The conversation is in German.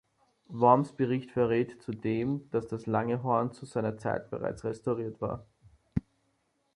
Worms Bericht verrät zudem, dass das lange Horn zu seiner Zeit bereits restauriert war.